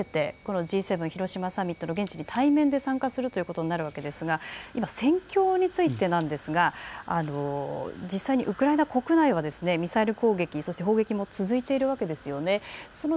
実際にウクライナを離れてこのＧ７広島サミットに対面で参加するということになるわけですが今、戦況についてなんですが実際にウクライナ国内はミサイル攻撃、そして砲撃も続いているわけですよね。